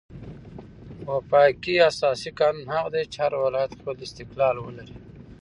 وفاقي اساسي قانون هغه دئ، چي هر ولایت خپل استقلال ولري.